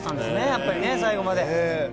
やっぱりね最後まで。